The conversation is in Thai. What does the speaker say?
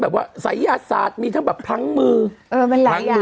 แบบว่าศัยยาศาสตร์มีทั้งแบบพลั้งมือเออมันหลายอย่าง